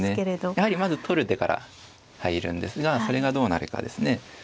やはりまず取る手から入るんですがそれがどうなるかですね。